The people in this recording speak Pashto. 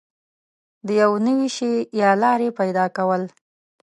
د یو نوي شي یا لارې پیدا کول